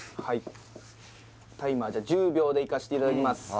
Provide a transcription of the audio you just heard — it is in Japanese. はいタイマーじゃあ１０秒でいかせていただきます